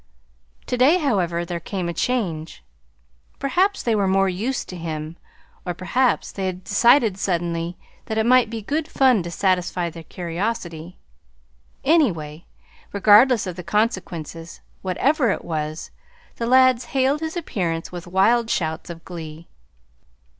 To day, however, there came a change. Perhaps they were more used to him; or perhaps they had decided suddenly that it might be good fun to satisfy their curiosity, anyway, regardless of consequences. Whatever it was, the lads hailed his appearance with wild shouts of glee.